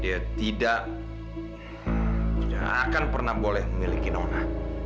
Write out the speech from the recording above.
dia tidak akan pernah boleh memiliki nona